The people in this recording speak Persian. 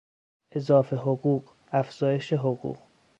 اضافه حقوق، افزایش حقوق